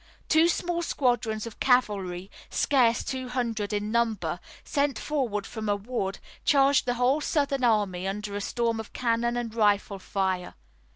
Two small squadrons of cavalry, scarce two hundred in number, sent forward from a wood, charged the whole Southern army under a storm of cannon and rifle fire.